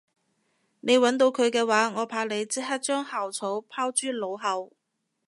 你搵到佢嘅話我怕你即刻將校草拋諸腦後